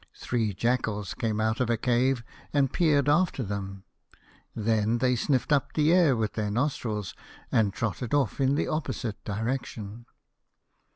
Three jackals came out of a cave and peered after them. Then they sniffed up the air with their nostrils, and trotted off in the opposite direction.